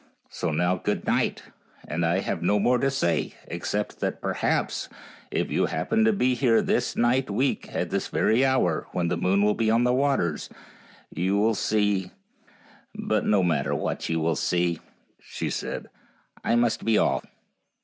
So now good night ; and 72 FAIRY TALES I have no more to say, except that perhaps, if you happen to be here this night week at this very hour, when the moon will be on the waters, you will see But no matter what you will see/' said she ;" I must be off."